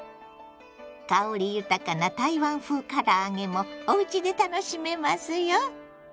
香り豊かな台湾風から揚げもおうちで楽しめますよ。